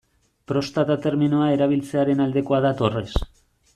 Prostata terminoa erabiltzearen aldekoa da Torres.